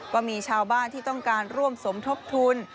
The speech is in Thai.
ก็มีชาวบ้านที่ต้องการร่วมสมทบทุน